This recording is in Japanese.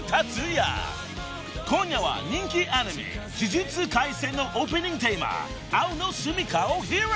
［今夜は人気アニメ『呪術廻戦』のオープニングテーマ『青のすみか』を披露］